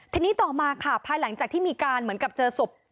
ทีนี้ต่อมาค่ะภายหลังจากที่มีการเหมือนกับเจอศพ